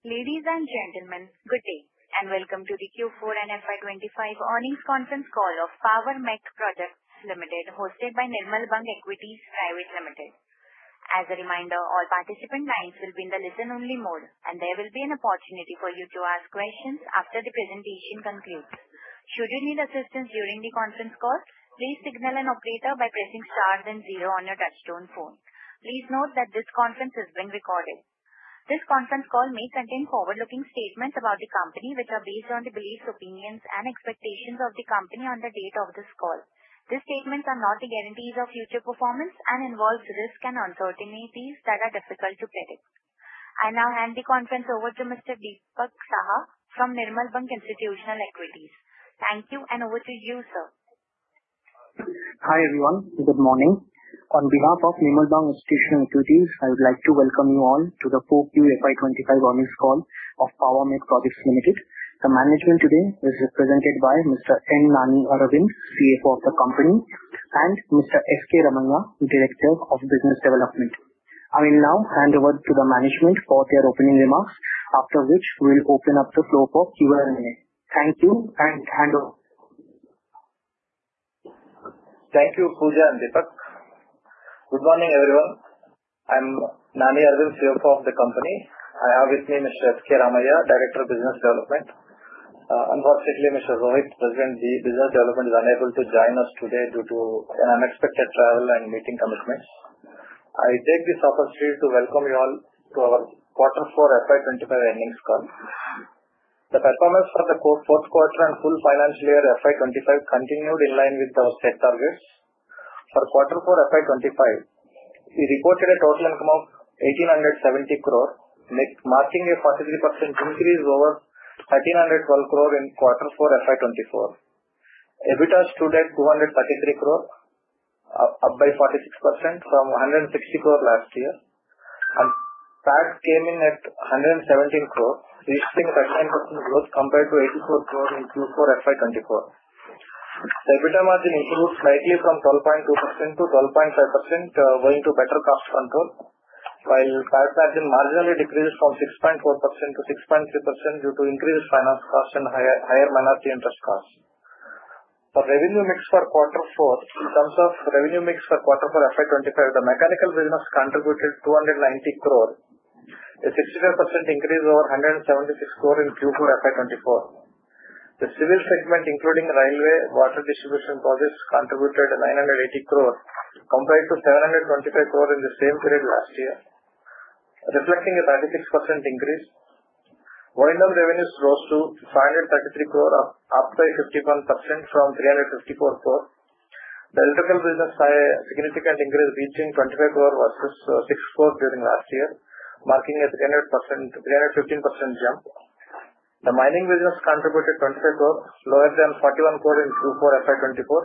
Ladies and gentlemen, good day and welcome to the Q4 and FY25 Earnings Conference Call of Power Mech Projects Limited, hosted by Nirmal Bang Equities Private Limited. As a reminder, all participant lines will be in the listen-only mode, and there will be an opportunity for you to ask questions after the presentation concludes. Should you need assistance during the conference call, please signal an operator by pressing star then zero on your touch-tone phone. Please note that this conference is being recorded. This conference call may contain forward-looking statements about the company, which are based on the beliefs, opinions, and expectations of the company on the date of this call. These statements are not a guarantee of future performance and involve risks and uncertainties that are difficult to predict. I now hand the conference over to Mr. Deepak Shah from Nirmal Bang Institutional Equities. Thank you, and over to you, sir. Hi everyone, good morning. On behalf of Nirmal Bang Institutional Equities, I would like to welcome you all to the 4th Q2 FY25 earnings call of Power Mech Projects Limited. The management today is represented by Mr. Nani Aravind, CFO of the company, and Mr. S. K. Ramaiah, Director of Business Development. I will now hand over to the management for their opening remarks, after which we will open up the floor for Q&A. Thank you and hand over. Thank you, Pooja and Deepak. Good morning everyone. I'm Nani Aravind, CFO of the company. I have with me Mr. S. K. Ramaiah, Director of Business Development. Unfortunately, Mr. Rohit Sajja, President of Business Development, is unable to join us today due to unexpected travel and meeting commitments. I take this opportunity to welcome you all to our Q4 FY25 earnings call. The performance for the 4th quarter and full financial year FY25 continued in line with our set targets. For Q4 FY25, we reported a total income of 1,870 crore, marking a 43% increase over 1,312 crore in Q4 FY24. EBITDA stood at 233 crore, up by 46% from 160 crore last year, and PAT came in at 117 crore, reaching a 39% growth compared to 84 crore in Q4 FY24. The EBITDA margin improved slightly from 12.2% to 12.5%, owing to better cost control, while PAT margin marginally decreased from 6.4% to 6.3% due to increased finance costs and higher minority interest costs. For revenue mix for Q4, in terms of revenue mix for Q4 FY25, the mechanical business contributed 290 crore, a 65% increase over 176 crore in Q4 FY24. The civil segment, including railway, water distribution projects, contributed 980 crore compared to 725 crore in the same period last year, reflecting a 36% increase. WIP revenues rose to 533 crore, up by 51% from 354 crore. The electrical business saw a significant increase, reaching 25 crore versus 6 crore during last year, marking a 315% jump. The mining business contributed 25 crore, lower than 41 crore in Q4 FY24,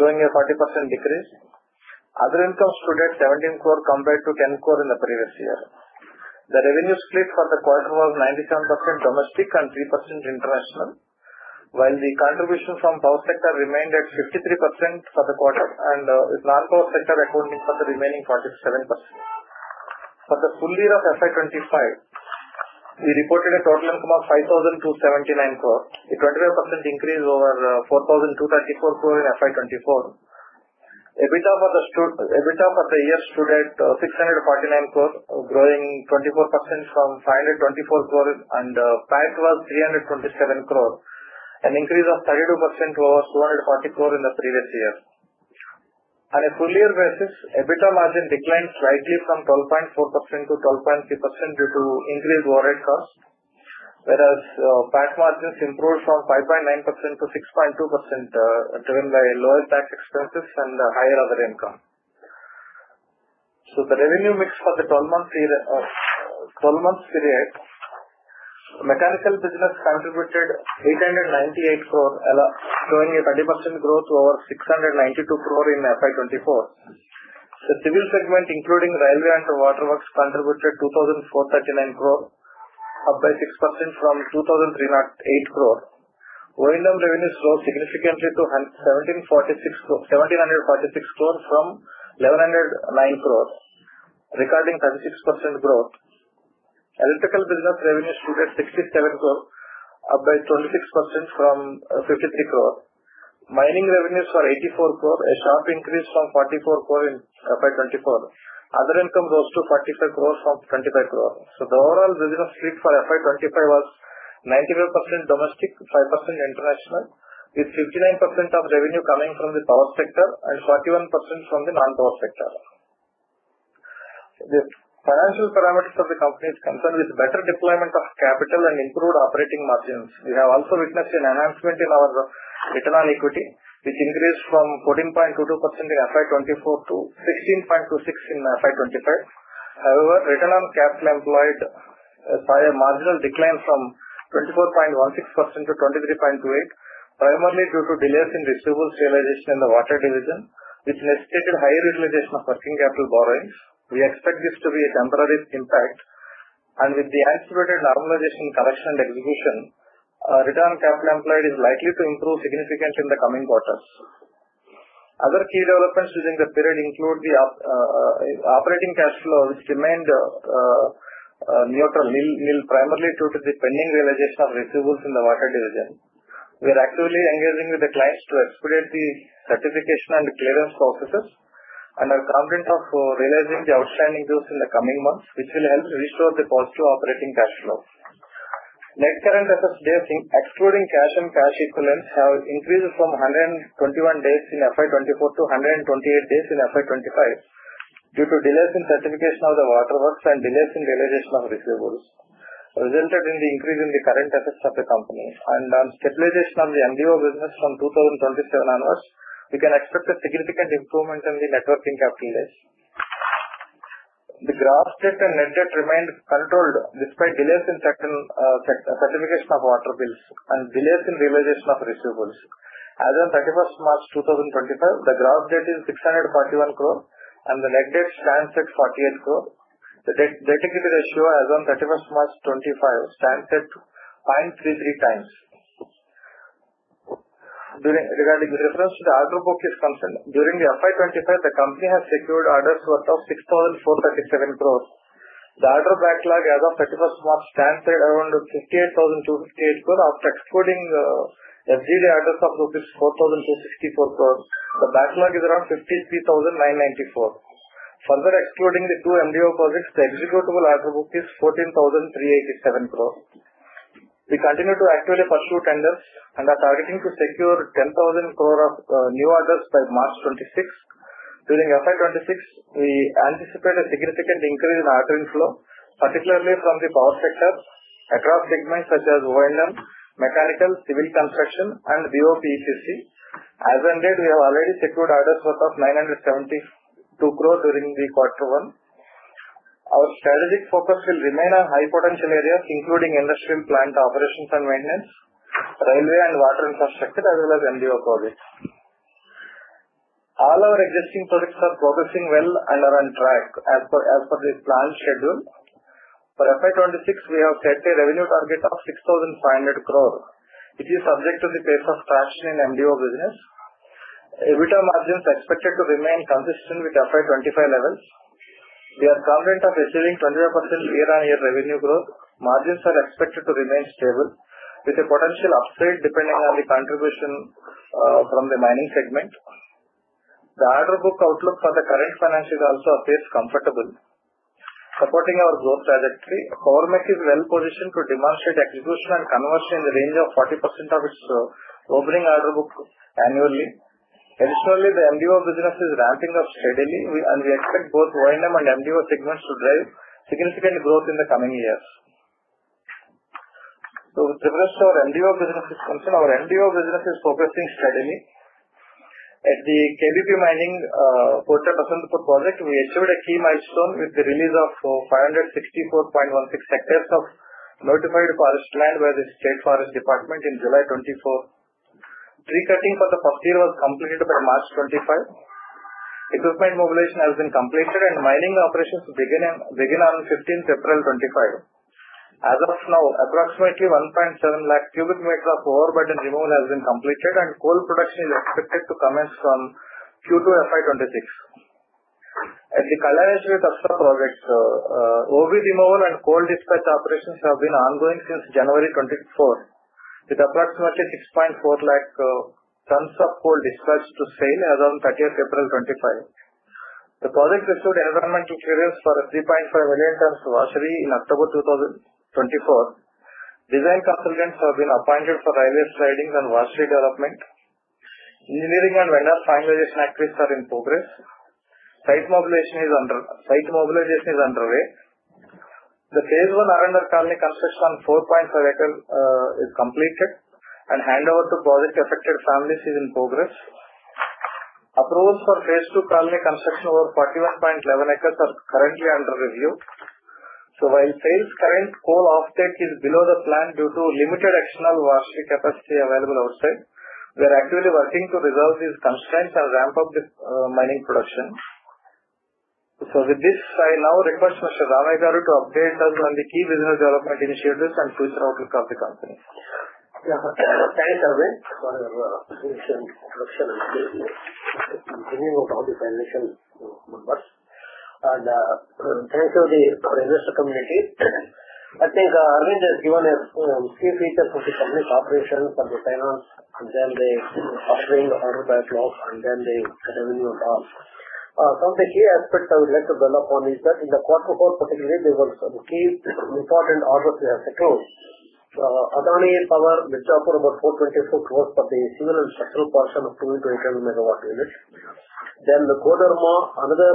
showing a 40% decrease. Other incomes stood at 17 crore compared to 10 crore in the previous year. The revenue split for the quarter was 97% domestic and 3% international, while the contribution from power sector remained at 53% for the quarter and with non-power sector accounting for the remaining 47%. For the full year of FY25, we reported a total income of 5,279 crore, a 25% increase over 4,234 crore in FY24. EBITDA for the year stood at 649 crore, growing 24% from 524 crore, and PAT was 327 crore, an increase of 32% over 240 crore in the previous year. On a full year basis, EBITDA margin declined slightly from 12.4% to 12.3% due to increased warrant costs, whereas PAT margins improved from 5.9% to 6.2%, driven by lower tax expenses and higher other income, so the revenue mix for the 12-month period, mechanical business contributed 898 crore, showing a 30% growth over 692 crore in FY24. The civil segment, including railway and waterworks, contributed 2,439 crore, up by 6% from 2,308 crore. Non-power revenues rose significantly to 1,746 crore from 1,109 crore, recording 36% growth. Electrical business revenues stood at 67 crore, up by 26% from 53 crore. Mining revenues were 84 crore, a sharp increase from 44 crore in FY24. Other income rose to 45 crore from 25 crore. So the overall business split for FY25 was 95% domestic, 5% international, with 59% of revenue coming from the power sector and 41% from the non-power sector. The financial parameters of the company are concerned with better deployment of capital and improved operating margins. We have also witnessed an enhancement in our return on equity, which increased from 14.22% in FY24 to 16.26% in FY25. However, return on capital employed saw a marginal decline from 24.16% to 23.28%, primarily due to delays in receivables realization in the water division, which necessitated higher utilization of working capital borrowings. We expect this to be a temporary impact, and with the anticipated normalization, correction, and execution, return on capital employed is likely to improve significantly in the coming quarters. Other key developments during the period include the operating cash flow, which remained neutral, primarily due to the pending realization of receivables in the water division. We are actively engaging with the clients to expedite the certification and clearance processes and are confident of realizing the outstanding dues in the coming months, which will help restore the positive operating cash flow. Net current assets days, excluding cash and cash equivalents, have increased from 121 days in FY24 to 128 days in FY25 due to delays in certification of the waterworks and delays in realization of receivables, resulting in the increase in the current assets of the company. And on stabilization of the MDO business from 2027 onwards, we can expect a significant improvement in the net working capital days. The gross debt and net debt remained controlled despite delays in certification of water bills and delays in realization of receivables. As of 31st March 2025, the gross debt is 641 crore, and the net debt stands at 48 crore. The debt-to-equity ratio, as of 31st March 2025, stands at 0.33 times. Regarding with reference to the order book is concerned, during FY25, the company has secured orders worth of 6,437 crore. The order backlog, as of 31st March, stands at around 58,258 crore after excluding FGD orders of rupees 4,264 crore. The backlog is around 53,994 crore. Further excluding the two MDO projects, the executable order book is 14,387 crore. We continue to actively pursue tenders and are targeting to secure 10,000 crore of new orders by March 26. During FY26, we anticipate a significant increase in ordering flow, particularly from the power sector across segments such as oil and mechanical, civil construction, and BOP EPC. As of end, we have already secured orders worth 972 crore during Q1. Our strategic focus will remain on high potential areas, including industrial plant operations and maintenance, railway and water infrastructure, as well as MDO projects. All our existing projects are progressing well and are on track as per the planned schedule. For FY26, we have set a revenue target of 6,500 crore, which is subject to the pace of traction in MDO business. EBITDA margins are expected to remain consistent with FY25 levels. We are confident of receiving 25% year-on-year revenue growth. Margins are expected to remain stable, with a potential upside depending on the contribution from the mining segment. The order book outlook for the current financial year also appears comfortable, supporting our growth trajectory. Power Mech is well positioned to demonstrate execution and conversion in the range of 40% of its opening order book annually. Additionally, the MDO business is ramping up steadily, and we expect both oil and MDO segments to drive significant growth in the coming years. So with reference to our MDO business is concerned, our MDO business is progressing steadily. At the KBP Mining Kotre Basantpur project, we achieved a key milestone with the release of 564.16 hectares of notified forest land by the State Forest Department in July 2024. Tree cutting for the first year was completed by March 2025. Equipment mobilization has been completed, and mining operations begin on 15th April 2025. As of now, approximately 1.7 lakh cubic meters of overburden removal has been completed, and coal production is expected to commence from Q2 FY26. At the Kalyaneswari Tasra project, OB removal and coal dispatch operations have been ongoing since January 2024, with approximately 6.4 lakh tonnes of coal dispatched to SAIL as of 30th April 2025. The project received environmental clearance for 3.5 million tonnes of washery in October 2024. Design consultants have been appointed for railway siding and washery development. Engineering and vendor finalization activities are in progress. Site mobilization is underway. The phase I R&R colony construction on 4.5 acres is completed, and handover to project affected families is in progress. Approvals for phase two colony construction over 41.11 acres are currently under review. So while SAIL's current coal offtake is below the plan due to limited external washery capacity available outside, we are actively working to resolve these constraints and ramp up the mining production. So with this, I now request Mr. S.K. Ramaiah to update us on the key business development initiatives and future outlook of the company. Thanks, Aravind. Sorry, introduction and continuing with all the financial good words. And thanks to the investor community. I think Aravind has given a key feature to the company's operations and the finance, and then the offering order backlog, and then the revenue on top. Some of the key aspects I would like to dwell upon is that in the Q4 particularly, there were some key important orders we have secured. Adani Power, Mundra, about 424 crores for the civil and structural portion of 288 MW units. Then the Koderma, another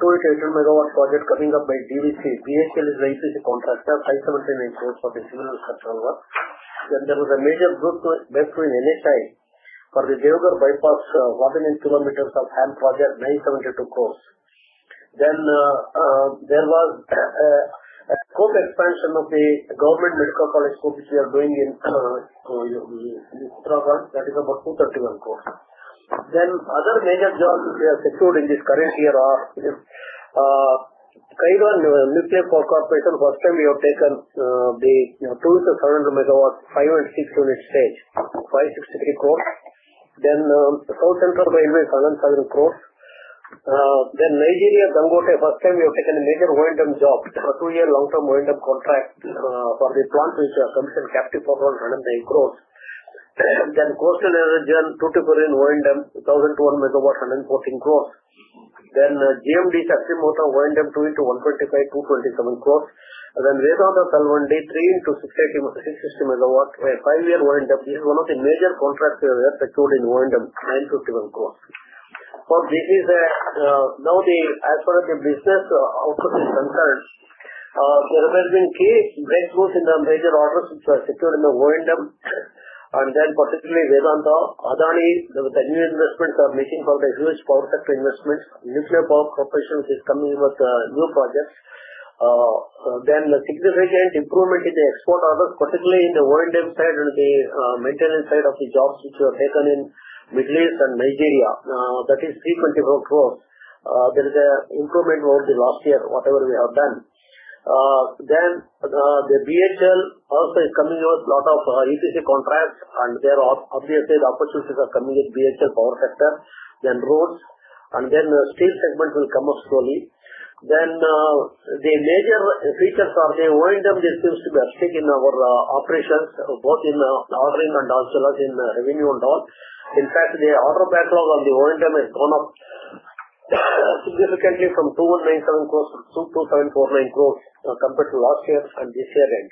288 MW project coming up by DVC. BHEL is the EPC contractor, 579 crores for the civil and structural work. Then there was a major group between NHAI for the Deoghar Bypass, 118 km of HAM project, INR 972 crores. Then there was a scope expansion of the government medical college scope which we are doing in Uttarakhand. That is about 231 crores. Then other major jobs we have secured in this current year are NPCIL. First time, we have taken the 2,700 MW 5 and 6 unit stage, 563 crores. Then South Central Railway, 7,000 crores. Then Nigeria, Dangote, first time we have taken a major O&M job, a two-year long-term O&M contract for the plant which we have commissioned, capped at INR 419 crores. Then Coastal Energen, 22% O&M 1,200 MW, 114 crores. Then GMDC Akrimota, O&M 2 into 125, 227 crores. Then Vedanta Talwandi, 3 into 660 MW, a five-year O&M. This is one of the major contracts we have secured in O&M, INR 951 crores. Now, as far as the business outlook is concerned, there have been key breakthroughs in the major orders which were secured in the oil and gas, and then particularly Vedanta, Adani. The new investments are making for the huge power sector investments. Nuclear Power Corporation, which is coming with new projects. Then the significant improvement in the export orders, particularly in the oil and gas side and the maintenance side of the jobs which were taken in Middle East and Nigeria. That is 324 crores. There is an improvement over the last year, whatever we have done. Then BHEL also is coming with a lot of EPC contracts, and there are obviously the opportunities are coming with BHEL power sector, then roads, and then the steel segment will come up slowly. Then the major features are the O&M and this seems to be a stick in our operations, both in ordering and also in revenue and all. In fact, the order backlog on the O&M has gone up significantly from 2,197 crores to 2,749 crores compared to last year and this year end.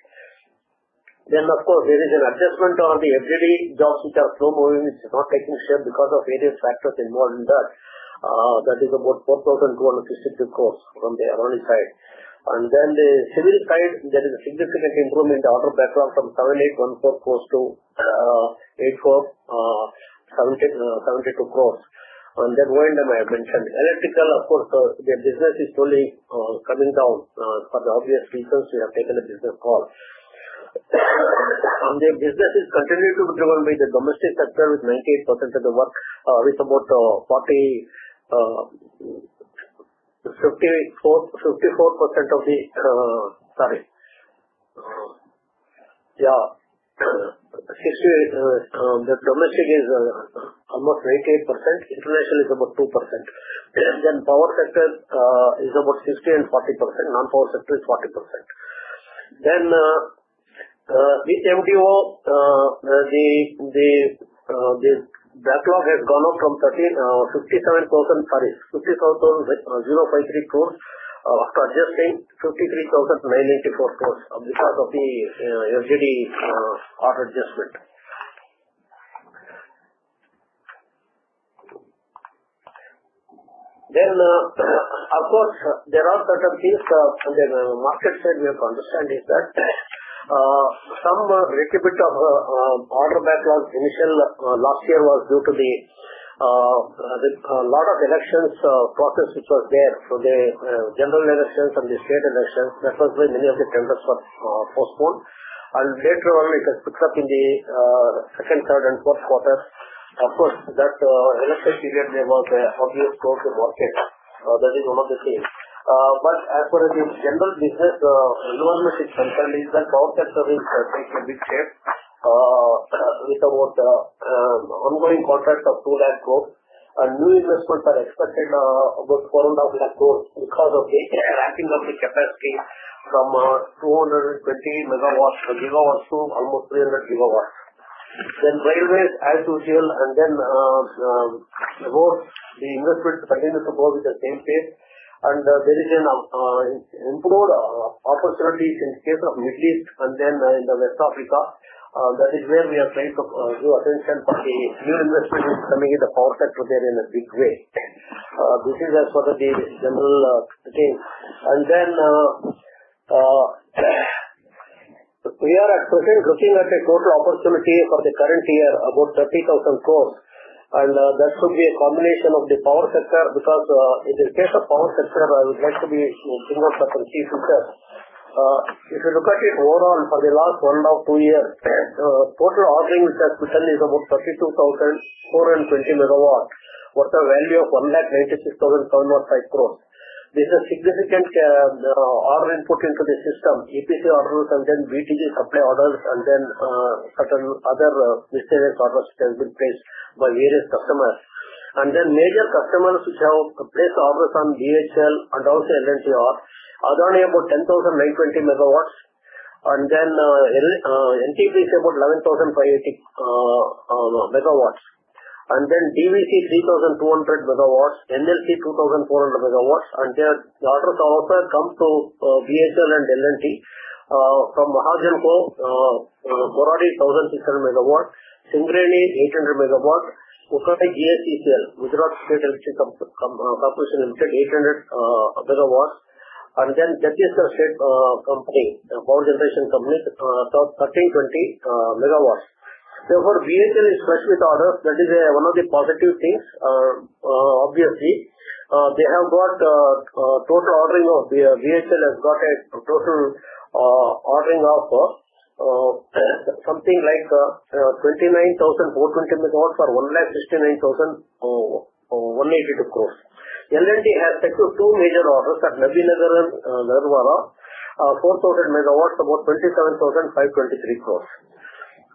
Then, of course, there is an adjustment on the FGD jobs which are slow moving, which is not taking shape because of various factors involved in that. That is about 4,262 crores from the BoP side. And then the civil side, there is a significant improvement in the order backlog from 7,814 crores to 8,472 crores. And then O&M I have mentioned electrical, of course, the business is slowly coming down for the obvious reasons we have taken a business call. The business is continuing to be driven by the domestic sector with 98% of th`e work, with about 54% of the, sorry, yeah, 60%, the domestic is almost 88%, international is about 2%. Then power sector is about 60% and 40%, non-power sector is 40%. Then the MDO, the backlog has gone up from 57,000, sorry, 57,000,053 crores after adjusting 53,994 crores because of the FGD adjustment. Then, of course, there are certain things on the market side we have to understand is that some requisite of order backlog initial last year was due to the lot of elections process which was there. So the general elections and the state elections, that was why many of the tenders were postponed. And later on, it has picked up in the second, third, and fourth quarters. Of course, that election period, there was an obvious growth in market. That is one of the things. But as far as the general business involvement is concerned, is that power sector is taking a big shape with about ongoing contracts of INR 2 lakh crores. And new investments are expected about INR 4.5 lakh crores because of the ramping of the capacity from 220 MW to almost 300 GW. Then railways, as usual, and then both the investments continue to go with the same pace. And there is an improved opportunity in the case of Middle East and then in West Africa. That is where we are trying to give attention for the new investment which is coming in the power sector there in a big way. This is as far as the general thing. And then we are at present looking at a total opportunity for the current year, about 30,000 crores. That should be a combination of the power sector because in the case of power sector, I would like to be single certainty feature. If you look at it overall for the last one or two years, total ordering which has come in is about 32,420 MW, worth a value of 196,705 crores. There's a significant order input into the system, EPC orders, and then BTG supply orders, and then certain other miscellaneous orders which have been placed by various customers. Major customers which have placed orders on BHEL and also L&T, Adani about 10,920 MW, and then NTPC about 11,580 MW. Then DVC 3,200 MW, NLC 2,400 MW. Then the orders also come to BHEL and L&T from Mahagenco 1,600 MW, Singareni 800 MW, and GSECL, Gujarat State Electricity Corporation Limited 800 MW. Then Chhattisgarh State Power Generation Company 1,320 MW. Therefore, BHEL is fresh with orders. That is one of the positive things, obviously. BHEL has got a total ordering of something like 29,420 MW for INR 169,182 crores. L&T has secured two major orders at Nabinagar and Lara, 4,000 MW, about 27,523 crores.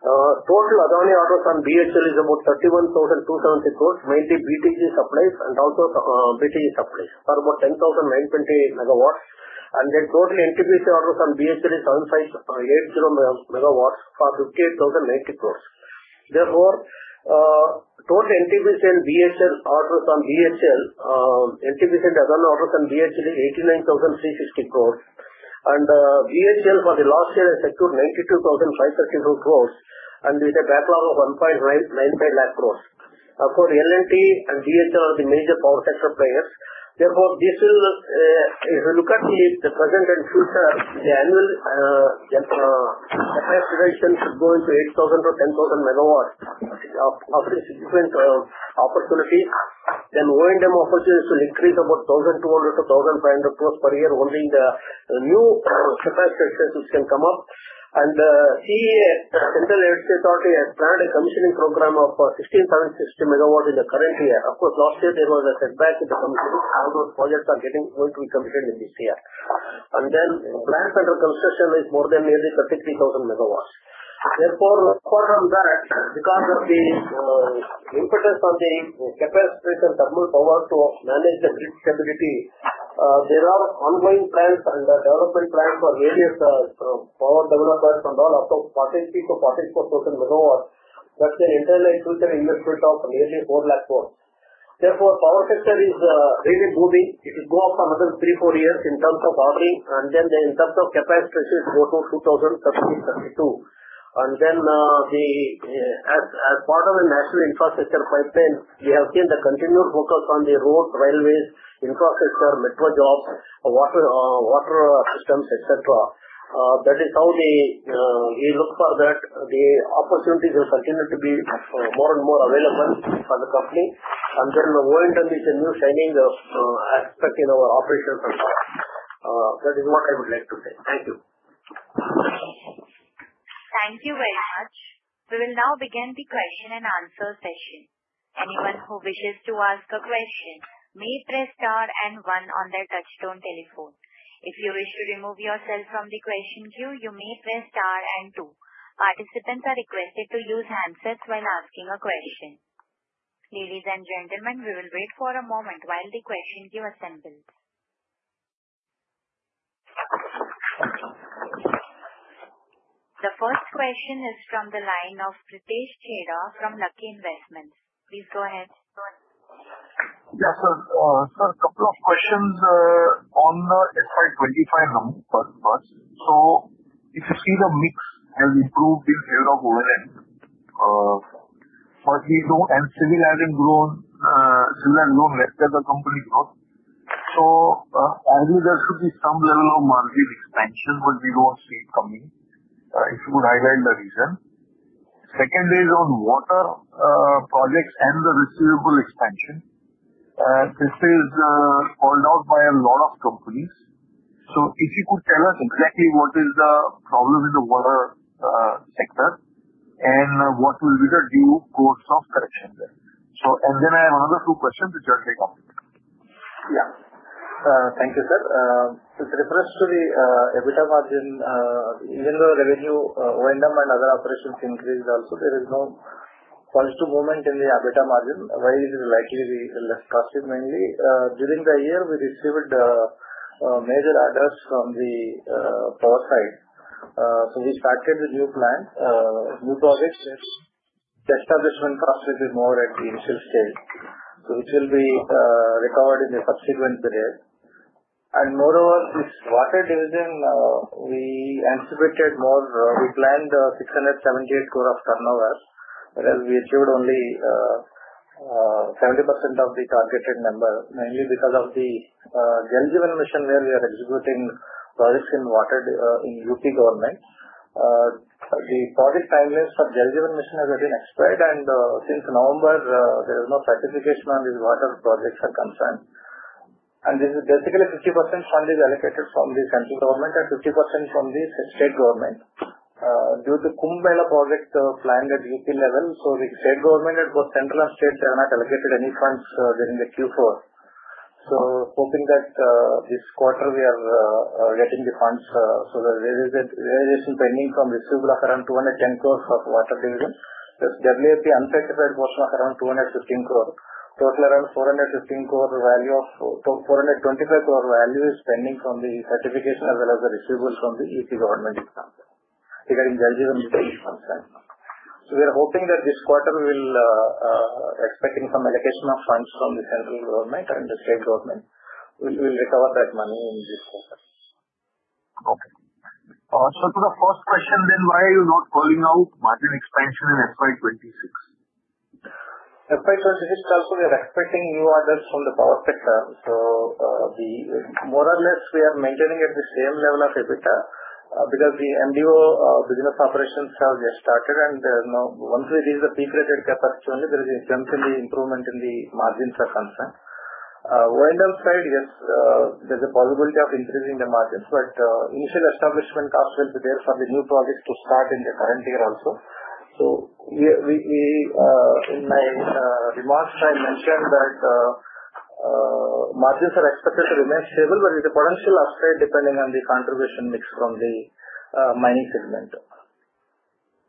Total Adani orders to BHEL is about 31,270 crores, mainly BTG supplies and also BTG supplies for about 10,920 MW. And then total NTPC orders to BHEL is 7,800 MW for INR 58,090 crores. Therefore, total NTPC and Adani orders to BHEL is 89,360 crores. And BHEL for the last year has secured 92,532 crores and with a backlog of 1.95 lakh crores. Of course, L&T and BHEL are the major power sector players. Therefore, if you look at the present and future, the annual capacity addition should go into 8,000-10,000 MW of significant opportunity. Then O&M opportunities will increase about 1,200-1,500 crores per year only in the new capacity which can come up. The Central Electricity Authority has planned a commissioning program of 16,760 MW in the current year. Of course, last year there was a setback in the commissioning. All those projects are going to be commissioned in this year. Plants under construction is more than nearly 33,000 MW. Therefore, apart from that, because of the impetus on the capacity and thermal power to manage the grid stability, there are ongoing plans and development plans for various power developers and all up to 40,000-44,000 MW that can enter into the investment of nearly 4 lakh crores. Therefore, power sector is really booming. It will go up another three, four years in terms of ordering, and then in terms of capacity go to 2030, 2032. And then as part of the national infrastructure pipeline, we have seen the continued focus on the road, railways, infrastructure, metro jobs, water systems, etc. That is how we look forward to the opportunities will continue to be more and more available for the company. And then oil and gas is a new shining aspect in our operations and all. That is what I would like to say. Thank you. Thank you very much. We will now begin the question and answer session. Anyone who wishes to ask a question may press star and one on their touch-tone telephone. If you wish to remove yourself from the question queue, you may press star and two. Participants are requested to use handsets while asking a question. Ladies and gentlemen, we will wait for a moment while the question queue assembles. The first question is from the line of Pritesh Chheda from Lucky Investments. Please go ahead. Yes, sir. Sir, a couple of questions on the FY25 number. So if you se`e the mix has improved in favor of oil and, but we don't, and civil hasn't grown, civil has grown less than the company growth. So I believe there should be some level of margin expansion, but we don't see it coming. If you could highlight the reason. Second is on water projects and the receivable expansion. This is called out by a lot of companies. So if you could tell us exactly what is the problem in the water sector and what will be the due course of correction there. And then I have another two questions which are take up. Yeah. Thank you, sir. With reference to the EBITDA margin, even though revenue, oil and other operations increased also, there is no positive movement in the EBITDA margin. Why is it likely to be less positive mainly? During the year, we received major orders from the power side. So we started the new plants, new projects. The establishment cost will be more at the initial stage. So it will be recovered in the subsequent period. And moreover, this water division, we anticipated more, we planned 678 crores of turnover, whereas we achieved only 70% of the targeted number, mainly because of the Jal Jeevan Mission where we are executing projects in water in UP government. The project timelines for Jal Jeevan Mission have been expedited, and since November, there is no certification on these water projects are concerned. This is basically 50% fund is allocated from the central government and 50% from the state government. Due to Kumbh Mela project planned at UP level, so the state government at both central and state have not allocated any funds during the Q4. Hoping that this quarter we are getting the funds. The realization pending from receivable of around 210 crores of water division. There's WIP uncertified portion of around 215 crores. Total around INR 415 crores value of 425 crores value is pending from the certification as well as the receivable from the UP government in some sense. Regarding Jal Jeevan Mission in some sense. We are hoping that this quarter will expecting some allocation of funds from the central government and the state government. We will recover that money in this quarter. Okay. So to the first question then, why are you not calling out margin expansion in FY26? FY26, we are also expecting new orders from the power sector. So more or less we are maintaining at the same level of EBITDA because the MDO business operations have just started. And once we reach the peak rated capacity only, there is a gentle improvement in the margins of concern. O&M side, yes, there's a possibility of increasing the margins, but initial establishment cost will be there for the new projects to start in the current year also. So in my remarks, I mentioned that margins are expected to remain stable, but with the potential upside depending on the contribution mix from the mining segment.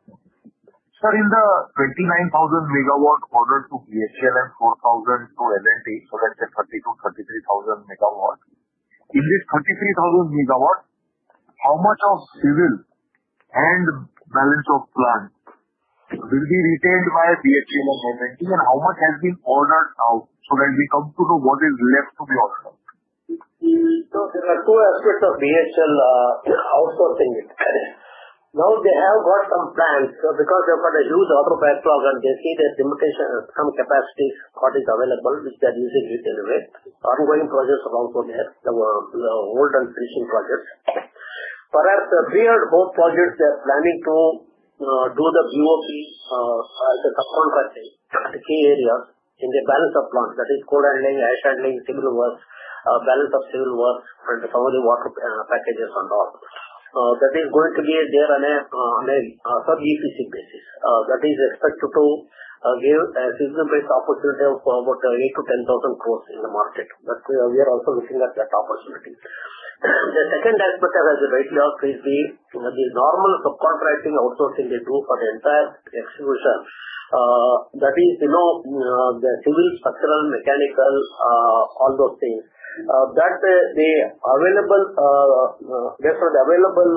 Sir, in the 29,000 MW order to BHEL and 4,000 to L&T, so let's say 32,000, 33,000 MW. In this 33,000 MW, how much of civil and balance of plant will be retained by BHEL and L&T, and how much has been ordered out? So that we come to know what is left to be ordered out. There are two aspects of BHEL outsourcing it. Now they have got some plans because they've got a huge order backlog, and they see there's limitation on some capacity what is available, which they are using it anyway. Ongoing projects are also there, the old and finishing projects. Perhaps the three or four projects they are planning to do the BoP as a subcontracting at the key areas in the balance of plant. That is coal handling, ash handling, civil works, balance of civil works, and some of the water packages and all. That is going to be there on a sub-EPC basis. That is expected to give a sizeable opportunity of about 8,000-10,000 crores in the market. But we are also looking at that opportunity. The second aspect I have rightly asked is the normal subcontracting outsourcing they do for the entire execution. That is, you know, the civil, structural, mechanical, all those things. That the available, based on the available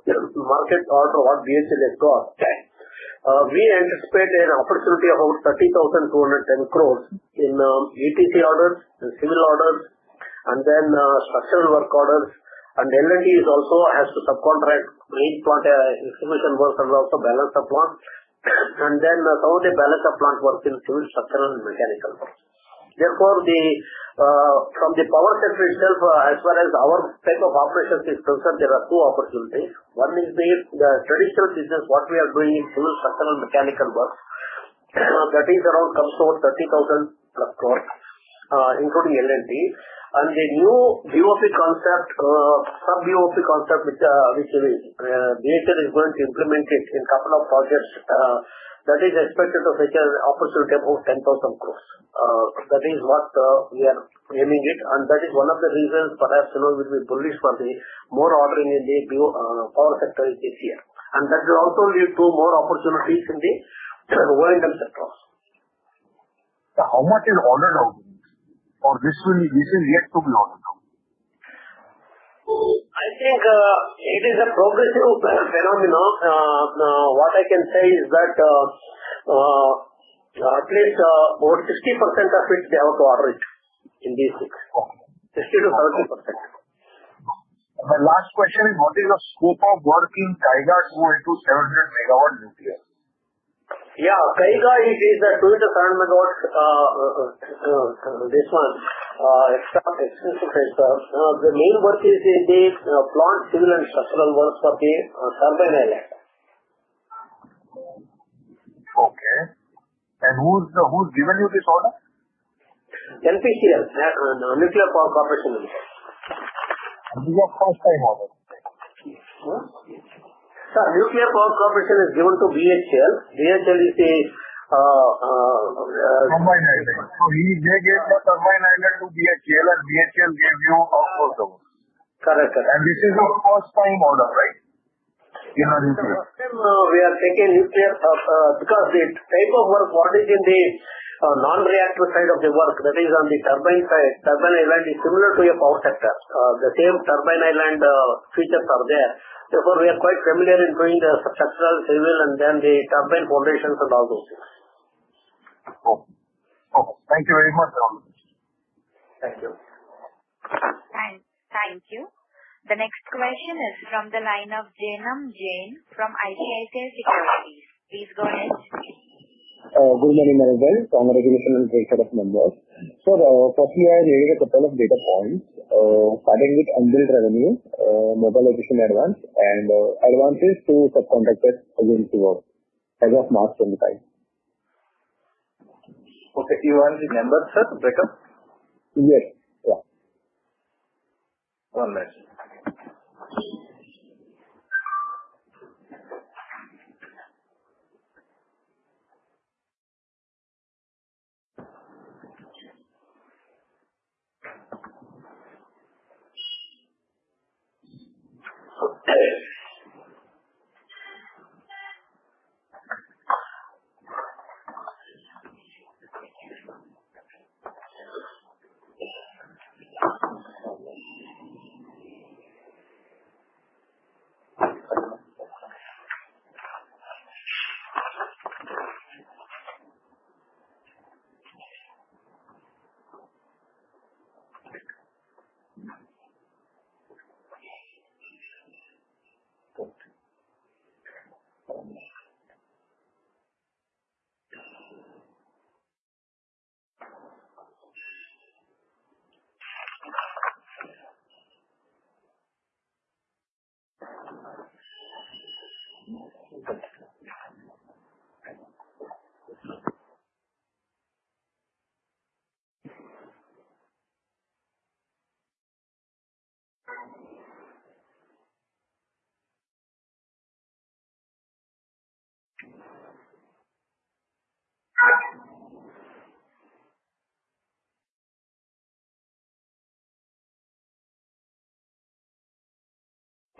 market order what BHEL has got, we anticipate an opportunity of about 30,210 crores in ETC orders, civil orders, and then structural work orders. And L&T also has to subcontract main plant execution work and also balance of plant. And then some of the balance of plant work in civil, structural, and mechanical work. Therefore, from the power sector itself, as far as our type of operations is concerned, there are two opportunities. One is the traditional business, what we are doing in civil, structural, and mechanical work. That is around comes to about 30,000 plus crores, including L&T. And the new BOP concept, sub-BOP concept, which BHEL is going to implement it in a couple of projects, that is expected to secure an opportunity of about 10,000 crores. That is what we are aiming at. And that is one of the reasons perhaps will be bullish for the more ordering in the power sector this year. And that will also lead to more opportunities in the oil and gas sector. How much is ordered out? Or this is yet to be ordered out? I think it is a progressive phenomenon. What I can say is that at least about 60% of it they have to order it in these weeks. 60% to 70%. My last question is, what is the scope of work in Kaiga 2x700 MW nuclear? Yeah, Kaiga is a 2x700 MW. This one is expensive. The main work is in the plant, civil, and structural works for the turbine and electrical. Okay. And who's given you this order? NPCIL, Nuclear Power Corporation of India Limited. This is your first time order? Sir, Nuclear Power Corporation is given to BHEL. BHEL is the. Turbine and electric. So they gave the turbine and electric to BHEL, and BHEL gave you outsourced the work. Correct. This is your first time order, right? In our nuclear. We are taking nuclear because the type of work, what is in the non-reactor side of the work, that is on the turbine side, turbine and electrical is similar to your power sector. The same turbine and electrical features are there. Therefore, we are quite familiar in doing the structural, civil, and then the turbine foundations and all those things. Okay. Okay. Thank you very much, sir. Thank you. Thank you. The next question is from the line of Jainam Jain from ICICI Securities. Please go ahead. Good morning, everyone. Congratulations on the set of numbers. Sir, for FY, we need a couple of data points. Starting with unbilled revenue, mobilization advance, and advances to subcontractors against the work as of March 25. Okay. You want the numbers, sir, to break up? Yes. Yeah. One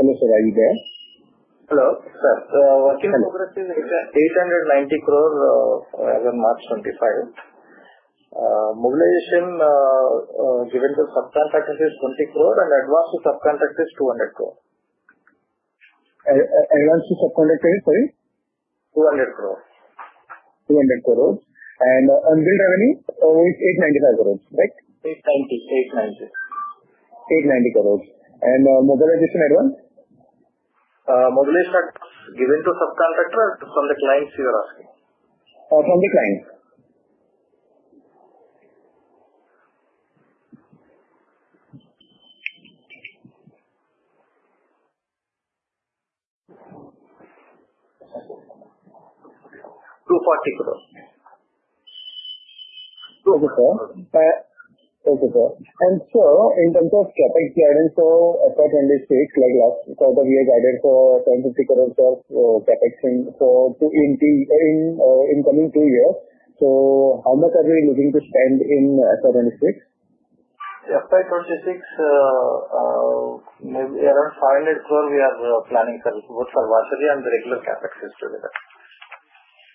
moment. Hello, sir. Are you there? Hello, sir. What can I help you with? 890 crores as of March 25. Mobilization given to subcontractors is 20 crores, and advance to subcontractors is 200 crores. Advance to subcontractors, sorry? 200 crores. 200 crores. And unbilled revenue is 895 crores, right? 890. 890. 890 crores. And mobilization advance? Mobilization advance given to subcontractors or from the clients you are asking? From the clients. INR 240 crores. Okay, sir. And sir, in terms of CapEx guidance for FY26, like last quarter we had guided for 750 crores of CapEx in incoming two years. So how much are we looking to spend in FY26? FY26, maybe around 500 crores we are planning to put for advisory and the regular CapEx is together.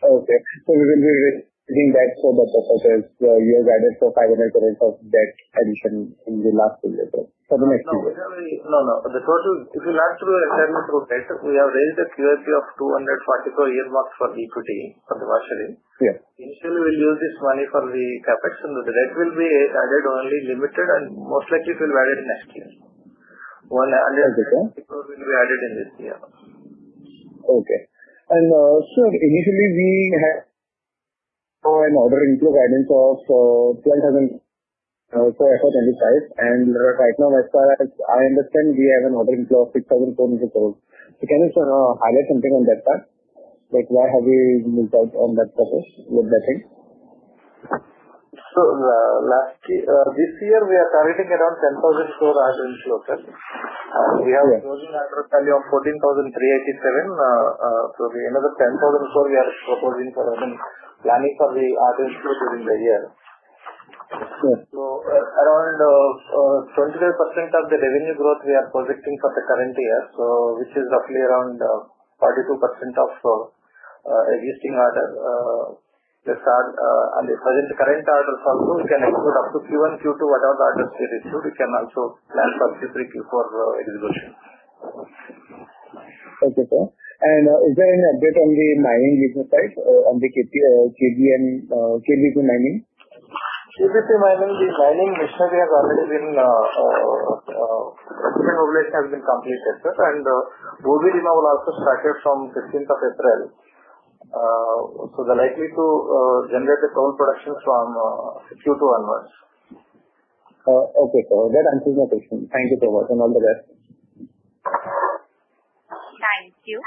Okay. So we will be reading back so that the quarter is. You have guided for 500 crores of debt addition in the last two years for the next two years. No, no. The total, if you want to do a return to debt, we have raised a QIP of 240 crores year-mark for equity, for the advisory. Initially, we'll use this money for the CapEx, and the debt will be added only limited, and most likely it will be added next year. 170 crores will be added in this year. Okay. And, sir, initially we had an order-in-flow guidance of 12,000 crores for FY25, and right now, as far as I understand, we have an order-in-flow of 6,400 crores. So can you highlight something on that part? Like why have we missed out on that purpose with that thing? So this year we are targeting around 10,000 crores order inflow. We have a closing order book value of 14,387. So another 10,000 crores we are proposing for planning for the order inflow during the year. So around 25% of the revenue growth we are projecting for the current year, which is roughly around 42% of existing orders. And the present current orders also, we can include up to Q1, Q2, whatever orders we receive, we can also plan for Q3, Q4 execution. Okay, sir. Is there any update on the mining business side on the KBP Mining? KBP mining, the mining mobilization has already been completed, sir. And BoP Koderma will also start from 15th of April. So they're likely to generate the total productions from Q2 onwards. Okay, sir. That answers my question. Thank you so much. And all the best. Thank you.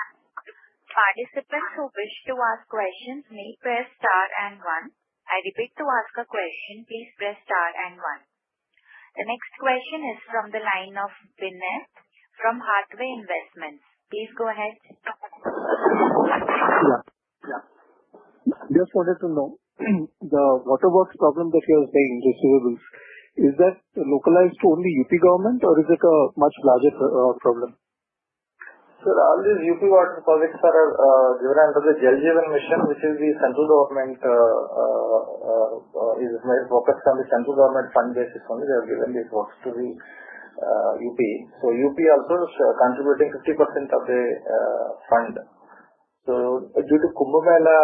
Participants who wish to ask questions may press star and one. I repeat to ask a question, please press star and one. The next question is from the line of Vinay from Hathway Investments. Please go ahead. Yeah. Just wanted to know, the water works problem that you are saying, the sewer bills, is that localized to only UP government, or is it a much larger problem? Sir, all these UP water projects are given under the Jal Jeevan Mission, which is the central government is focused on the central government fund basis only. They are given these works to the UP. So UP also is contributing 50% of the fund. So due to Kumbh Mela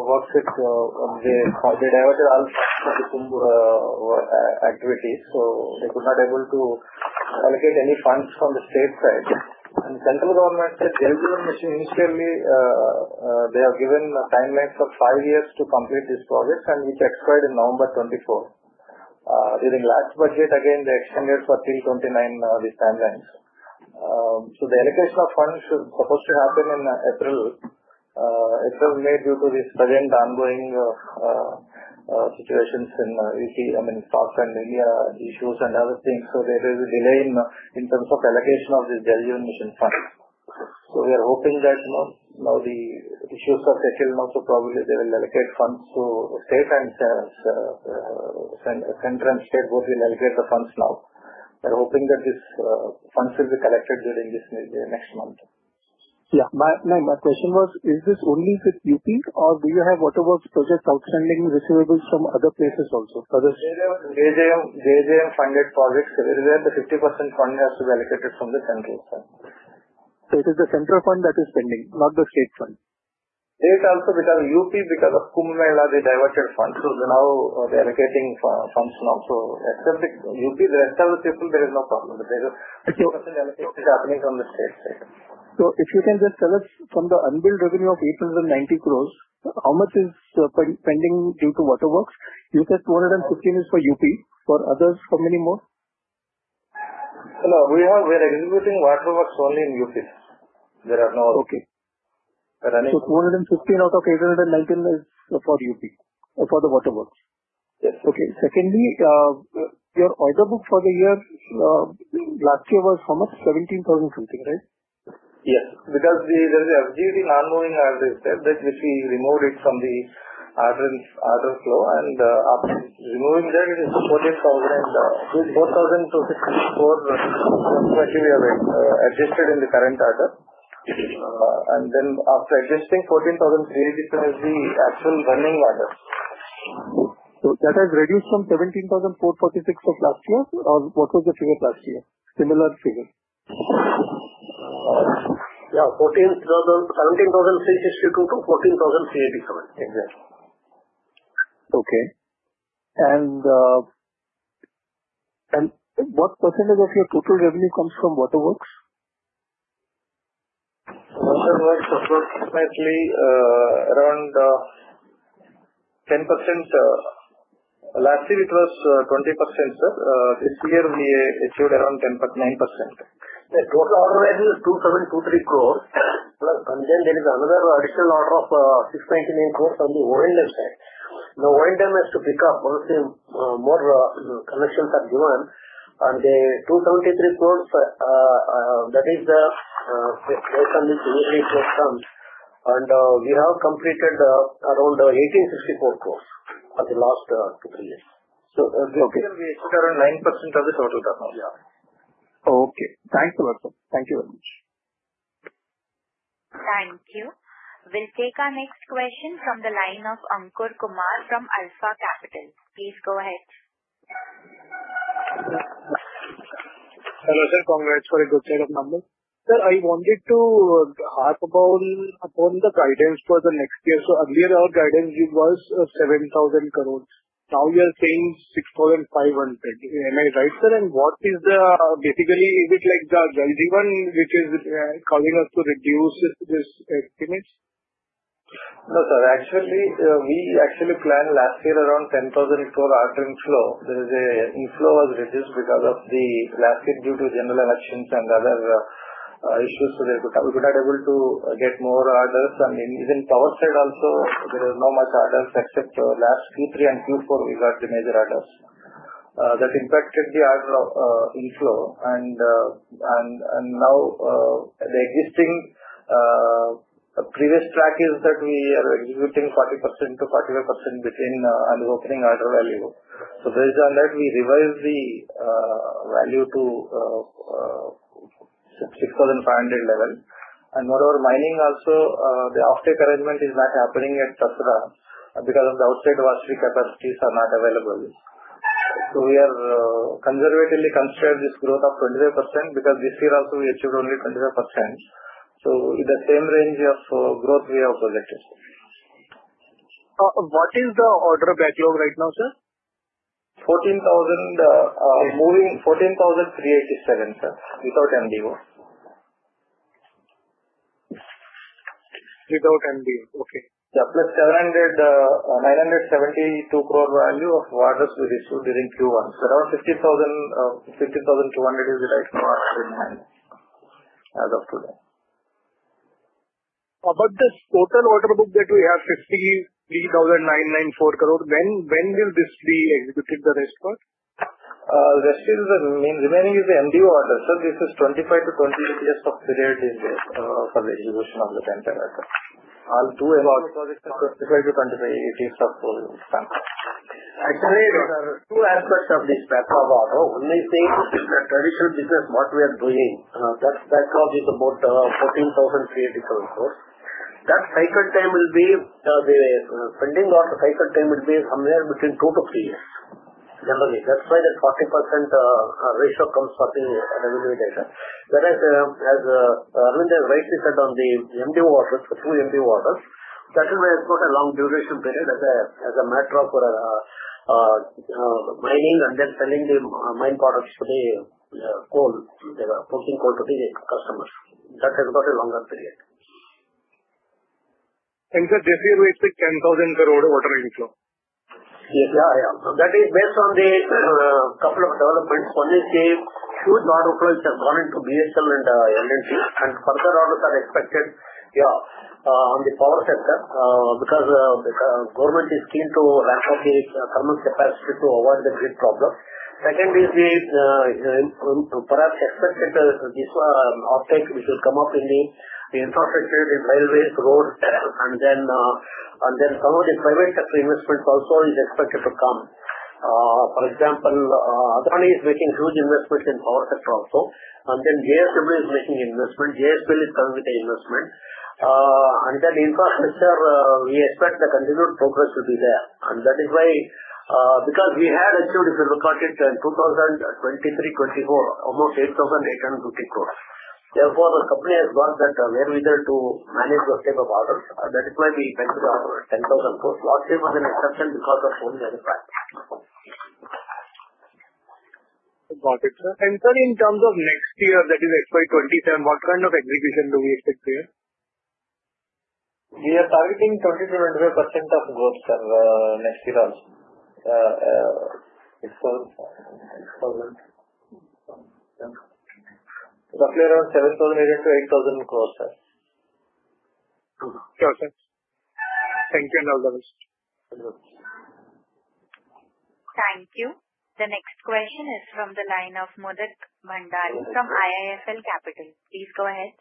works, they diverted all funds to Kumbh activities. So they could not be able to allocate any funds from the state side. And central government said Jal Jeevan Mission initially, they have given a timeline for five years to complete these projects, and it expired in November 2024. During last budget, again, they extended for till 2029 these timelines. So the allocation of funds is supposed to happen in April-May due to these present ongoing situations in UP, I mean, strikes and internal issues and other things. There is a delay in terms of allocation of this Jal Jeevan Mission fund. We are hoping that now the issues are settled, and also probably they will allocate funds. State and central state both will allocate the funds now. We are hoping that these funds will be collected during this next month. Yeah. My question was, is this only with UP, or do you have water works projects outstanding receivables from other places also? JJM funded projects, where the 50% fund has to be allocated from the central fund. So it is the central fund that is spending, not the state fund? State also because UP, because of Kumbh Mela, they diverted funds. So now they are allocating funds now. So except UP, the rest of the people, there is no problem. But there is a 50% allocation happening from the state side. So if you can just tell us, from the unbilled revenue of 890 crores, how much is pending due to water works? You said 215 is for UP. For others, how many more? No, we are executing water works only in UP. There are no running. Okay. So 215 out of 819 is for UP, for the water works? Yes. Okay. Secondly, your order book for the year last year was how much? 17,000 something, right? Yes. Because there is an activity ongoing, as I said, that which we removed it from the order inflow. And after removing that, it is 14,000 and 4,264, which we have adjusted in the current order. And then after adjusting, 14,387 is the actual running order. So that has reduced from 17,446 of last year? Or what was the figure last year? Similar figure? Yeah. 17,362 to 14,387. Exactly. Okay. And what percentage of your total revenue comes from water works? Water works approximately around 10%. Last year, it was 20%, sir. This year, we achieved around 9%. The total order is 2,723 crores. And then there is another additional order of 699 crores on the oil and electric side. The oil and electric has to pick up. Mostly more connections are given. And the 273 crores, that is the base on which we will take funds. And we have completed around 1,864 crores for the last two, three years. This year, we achieved around 9% of the total turnover. Okay. Thanks a lot, sir. Thank you very much. Thank you. We'll take our next question from the line of Ankur Kumar from Alpha Capital. Please go ahead. Hello, sir. Congrats for a good set of numbers. Sir, I wanted to harp upon the guidance for the next year. So earlier, our guidance was 7,000 crores. Now you are saying 6,500. Am I right, sir? And what is basically, is it like the Jal Jeevan, which is calling us to reduce this estimate? No, sir. Actually, we actually planned last year around 10,000 crores after inflow. The inflow was reduced because of the last year due to general elections and other issues. So we could not be able to get more orders. And even power side, also, there is not much orders except last Q3 and Q4, we got the major orders. That impacted the order inflow. And now the existing previous track is that we are executing 40% to 45% between opening order value. So based on that, we revised the value to 6,500 level. And whatever mining also, the offtake arrangement is not happening at Tasra because of the outside advisory capacities are not available. So we are conservatively considering this growth of 25% because this year also, we achieved only 25%. So in the same range of growth, we have projected. What is the order backlog right now, sir? 14,387, sir, without MDO. Without MDO. Okay. Yeah. Plus 972 crore value of orders we received during Q1. So around 15,200 is the right number as of today. About this total order book that we have 53,994 crores, when will this be executed, the rest part? The remaining is the MDO order, sir. This is 25 to 28 years of period in the execution of the 10th order. All two and all 25 to 25 years of time. Actually, there are two aspects of this backlog order. When we say it's a traditional business, what we are doing, that backlog is about 14,387 crores. That cycle time will be the spending of the cycle time will be somewhere between two to three years, generally. That's why that 40% ratio comes for the revenue data. Whereas, as Arvind has rightly said on the MDO orders, the two MDO orders, that is where it's not a long duration period as a matter of mining and then selling the mine products to the coal, the posting coal to the customers. That has got a longer period. Sir, this year we expect 10,000 crore order inflow. Yeah. Yeah. That is based on the couple of developments. One is the huge order flow which has gone into BHEL and L&T. And further orders are expected, yeah, on the power sector because the government is keen to ramp up the thermal capacity to avoid the grid problem. Second is the perhaps expected offtake which will come up in the infrastructure, the railways, roads, and then some of the private sector investments also is expected to come. For example, Adani is making huge investments in power sector also. And then JSW is making investment. JSW is coming with the investment. And then infrastructure, we expect the continued progress will be there. And that is why because we had achieved, if you look at it, in 2023 to 2024, almost 8,850 crores. Therefore, the company has got that where we are to manage the state of orders. That is why we went to the order of 10,000 crores. Lots of orders in execution because of so many other factors. Got it. And sir, in terms of next year that is FY27, what kind of execution do we expect to have? We are targeting 20% to 25% of growth, sir, next year also. Roughly around INR 7,800-8,000 crores, sir. Sure, sir. Thank you and all the best. Thank you. The next question is from the line of Mudit Bhandari from IIFL Capital. Please go ahead.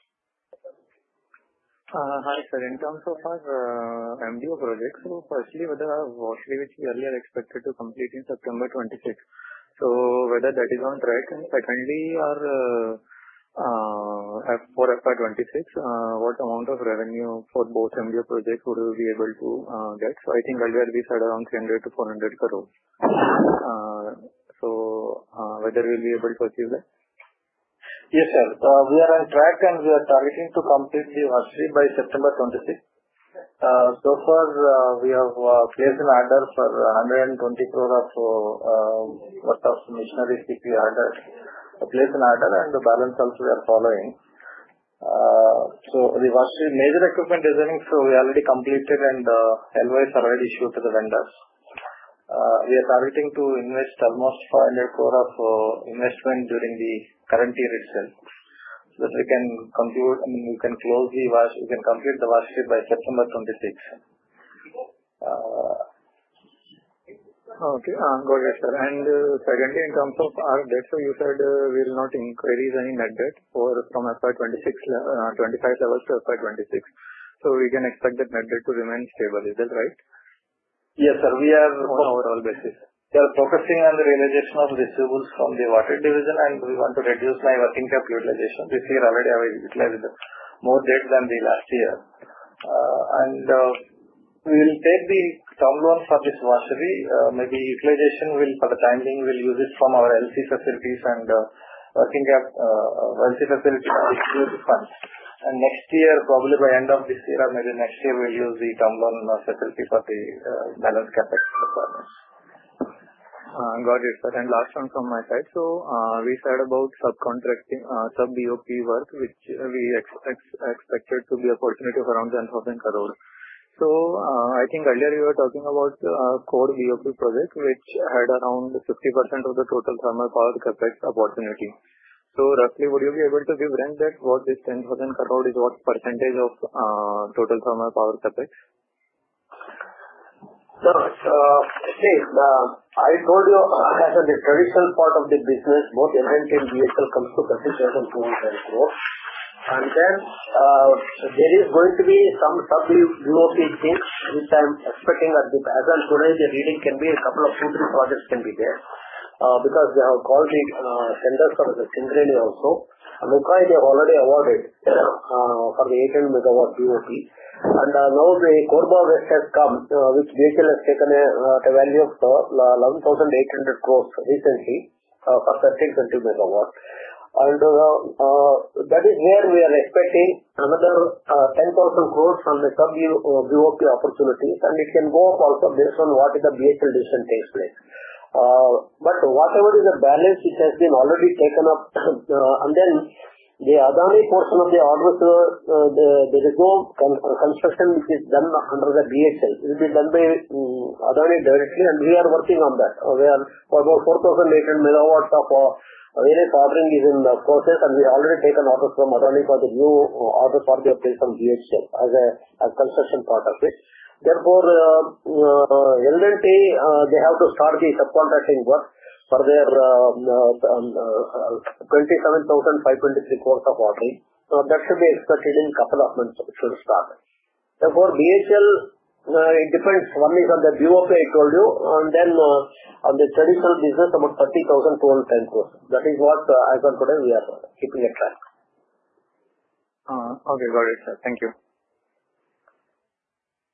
Hi, sir. In terms of our MDO projects, so firstly, whether our washery we earlier expected to complete in September 2026. So whether that is on track, and secondly, for FY26, what amount of revenue for both MDO projects would we be able to get? So I think earlier we said around 300 to INR 400 crore. So whether we'll be able to achieve that? Yes, sir. We are on track, and we are targeting to complete the washery by September 26. So far, we have placed an order for 120 crores worth of machinery. We ordered, placed an order, and the balance also we are following. So the washery, major equipment ordering, so we already completed, and LOIs already issued to the vendors. We are targeting to invest almost 500 crores of investment during the current year itself. So that we can conclude, I mean, we can close the washery by September 26. Okay. Got it, sir. And secondly, in terms of our debt, so you said we will not increase any net debt from FY25 level to FY26. So we can expect that net debt to remain stable. Is that right? Yes, sir. We are. On an overall basis. We are focusing on the realization of receivables from the water division, and we want to reduce my working cap utilization. This year already I utilized more debt than the last year. We will take the term loan for this washery. Maybe utilization will, for the timeline, we'll use it from our LC facilities and working cap LC facility to execute the funds. Next year, probably by end of this year, or maybe next year, we'll use the term loan facility for the balance cap requirements. Got it, sir. And last one from my side. So we said about subcontracting, sub-BoP work, which we expected to be a portfolio of around 10,000 crores. So I think earlier you were talking about core BoP project, which had around 50% of the total thermal power CapEx opportunity. So roughly, would you be able to give an idea that what this INR 10,000 crore is, what percentage of total thermal power CapEx? Sure. See, I told you, as in the traditional part of the business, both L&T and BHEL comes to INR 37,000 crores. And then there is going to be some sub-BoP things which I'm expecting as of today, the reading can be a couple of two, three projects can be there because they have called the tenders for the Singareni also. And Kawai they have already awarded for the 800 MW BoP. And now the Korba West has come, which BHEL has taken a value of 11,800 crores recently for 1,320 MW. And that is where we are expecting another 10,000 crores from the sub-BoP opportunities. And it can go up also based on what the BHEL decision takes place. But whatever is the balance, it has been already taken up. And then the Adani portion of the orders, there is no construction which is done under the BHEL. It will be done by Adani directly, and we are working on that. We are for about 4,800 MW of various ordering is in the process, and we already taken orders from Adani for the new orders for the BHEL as a construction part of it. Therefore, L&T, they have to start the subcontracting work for their 27,523 crores of ordering. That should be expected in a couple of months to start. Therefore, BHEL, it depends. One is on the BoP, I told you, and then on the traditional business, about INR 30,000 to INR 110 crores. That is what, as of today, we are keeping a track. Okay. Got it, sir. Thank you.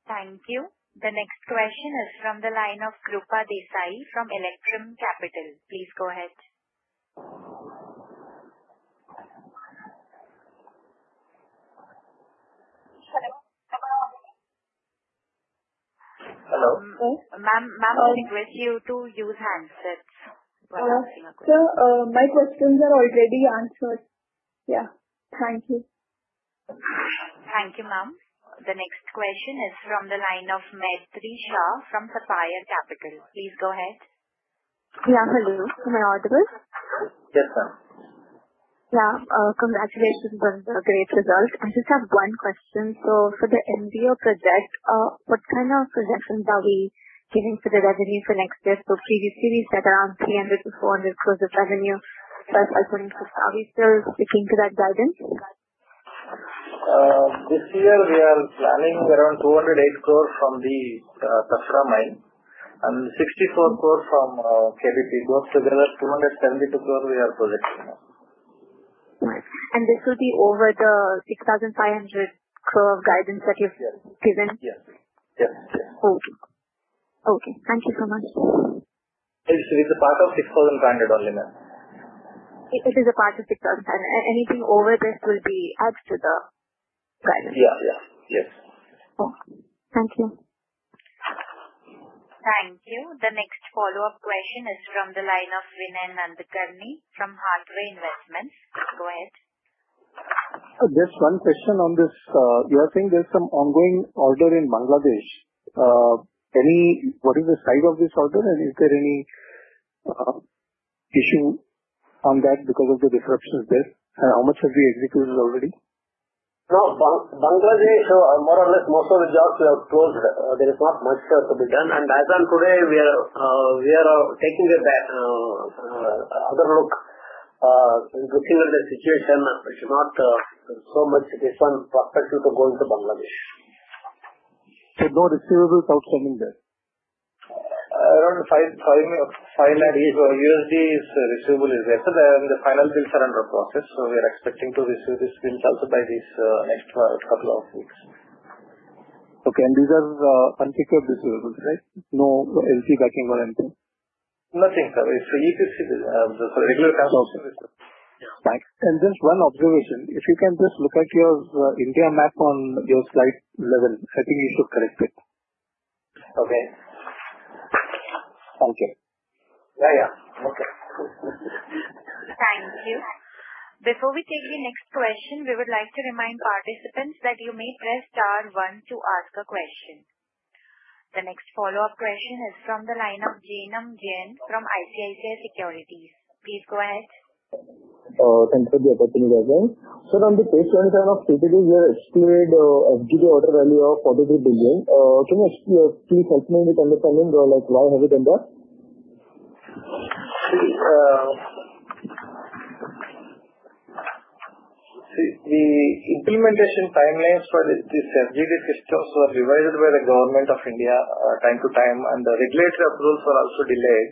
Thank you. The next question is from the line of Krupa Desai from Electrum Capital. Please go ahead. Hello. Ma'am, I'll request you to use handsets. Sir, my questions are already answered. Yeah. Thank you. Thank you, ma'am. The next question is from the line of Maitri Shah from Sapphire Capital. Please go ahead. Yeah. Hello. Can I order this? Yes, ma'am. Yeah. Congratulations on the great results. I just have one question. So for the MDO project, what kind of projections are we giving for the revenue for next year? So previously, we said around 300 crore to 400 crore of revenue for FY26. Are we still sticking to that guidance? This year, we are planning around 208 crores from the Tasra mine and 64 crores from KBP. Both together, 272 crores we are projecting now. Right. And this will be over the 6,500 crore guidance that you've given? Yes. Yes. Yes. Okay. Okay. Thank you so much. It's with the part of 6,500 only, ma'am. It is a part of 6,500. Anything over this will be added to the guidance? Yeah. Yeah. Yes. Okay. Thank you. Thank you. The next follow-up question is from the line of Vinay Nadkarni from Hathway Investments. Go ahead. Just one question on this. You are saying there's some ongoing order in Bangladesh. What is the size of this order, and is there any issue on that because of the disruptions there? And how much have we executed already? No, Bangladesh, more or less, most of the jobs we have closed. There is not much to be done. As of today, we are taking a better look, looking at the situation, not so much this one prospect to go into Bangladesh. So no receivables outstanding there? Around $500,000 receivable is there. And the final bills are under process. So we are expecting to receive these bills also by the next couple of weeks. Okay, and these are unbilled receivables, right? No LC backing or anything? Nothing, sir. It's EPC. Sorry. Regular transaction receivables. Thanks. And just one observation. If you can just look at your India map on your slide level, I think you should correct it. Okay. Thank you. Yeah. Yeah. Okay. Thank you. Before we take the next question, we would like to remind participants that you may press star one to ask a question. The next follow-up question is from the line of Jainam Jain from ICICI Securities. Please go ahead. Thank you for the opportunity. Sir, on the K27 of KPD, we have excluded FGD order value of 43 billion. Can you please help me with understanding why have it in there? See, the implementation timelines for these FGD systems were revised by the government of India time to time, and the regulatory approvals were also delayed.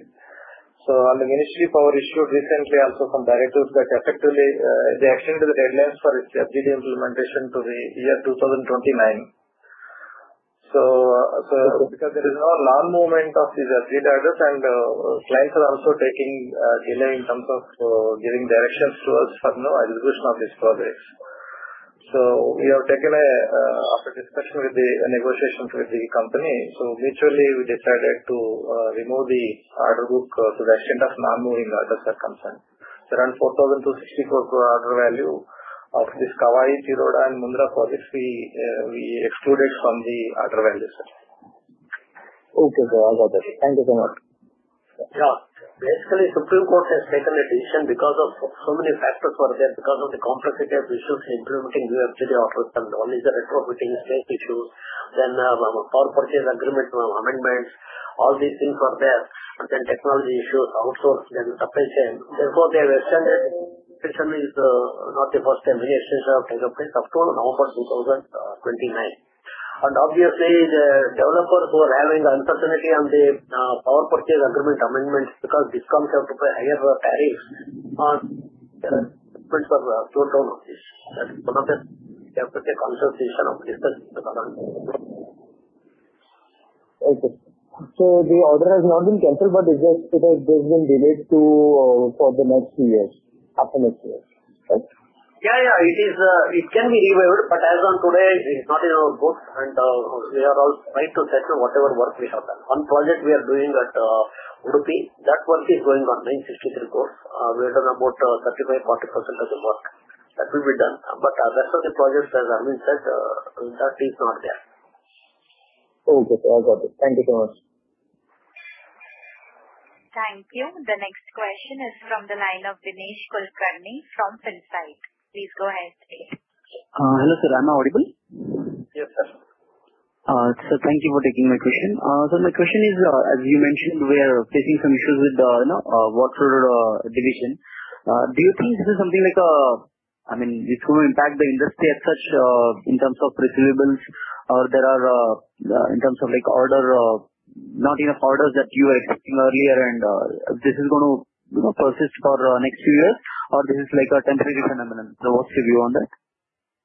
The Ministry of Power issued recently also some directives that effectively they extended the deadlines for its FGD implementation to the year 2029. Because there is no slow movement of these FGD orders, and clients are also taking delay in terms of giving directions to us for the execution of these projects. We have taken, after discussion with the negotiations with the company, so mutually we decided to remove from the order book to the extent of non-moving orders circumstance. Around 4,264 crore order value of these Kawai, Tiroda and Mundra projects, we excluded from the order value, sir. Okay, sir. I got it. Thank you so much. Yeah. Basically, the Supreme Court has taken a decision because so many factors were there because of the complexity of issues in implementing new FGD orders. And one is the retrofitting space issues. Then power purchase agreement amendments, all these things were there. But then technology issues, outsourcing, then supply chain. Therefore, they have extended it. This is not the first time any extension is taking place after November 2029. And obviously, the developers who are having uncertainty on the power purchase agreement amendments because these discoms have to pay higher tariffs on. The requirements were slowed down on this. That is one of the they have to take consideration of discussing the current. Thank you. So the order has not been canceled, but it has been delayed for the next few years, up to next year, right? Yeah. Yeah. It can be reversed, but as of today, it's not in our book, and we are all right to settle whatever work we have done. One project we are doing at Udupi, that work is going on 963 crores. We have done about 35% to 40% of the work that will be done. But the rest of the projects, as Aravind said, that is not there. Okay, sir. I got it. Thank you so much. Thank you. The next question is from the line of Dinesh Kulkarni from Finsight. Please go ahead. Hello, sir. I'm audible? Yes, sir. Sir, thank you for taking my question. Sir, my question is, as you mentioned, we are facing some issues with the water division. Do you think this is something like, I mean, it's going to impact the industry as such in terms of receivables? Or there are, in terms of order, not enough orders that you were expecting earlier, and this is going to persist for the next few years, or this is like a temporary phenomenon? So what's your view on that?